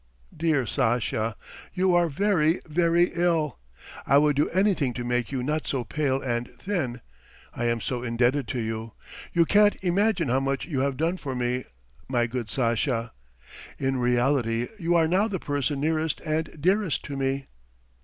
"Dear Sasha, you are very, very ill ... I would do anything to make you not so pale and thin. I am so indebted to you! You can't imagine how much you have done for me, my good Sasha! In reality you are now the person nearest and dearest to me."